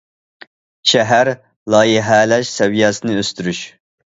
شەھەر لايىھەلەش سەۋىيەسىنى ئۆستۈرۈش.